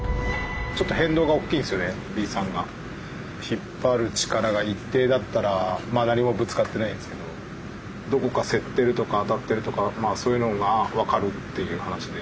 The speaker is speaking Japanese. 引っ張る力が一定だったら何もぶつかってないんですけどどこかせってるとか当たってるとかそういうのが分かるっていう話で。